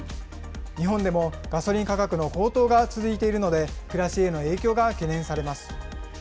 日本でもガソリン価格の高騰が続いているので、暮らしへの影響が懸念されます。